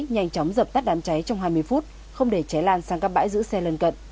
nhanh chóng dập tắt đám cháy trong hai mươi phút không để cháy lan sang các bãi giữ xe lân cận